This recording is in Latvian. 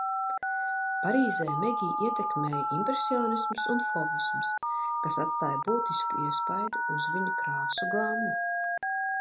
Parīzē Megi ietekmēja impresionisms un fovisms, kas atstāja būtisku iespaidu uz viņa krāsu gammu.